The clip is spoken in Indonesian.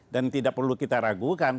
dan tidak perlu kita ragukan